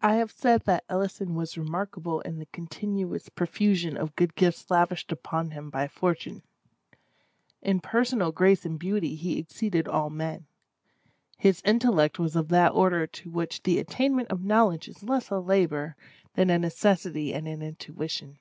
I have said that Ellison was remarkable in the continuous profusion of good gifts lavished upon him by Fortune. In personal grace and beauty he exceeded all men. His intellect was of that order to which the attainment of knowledge is less a labor than a necessity and an intuition.